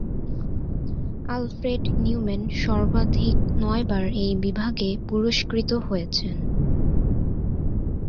Alfred Neumann সর্বাধিক নয়বার এই বিভাগে পুরস্কৃত হয়েছেন।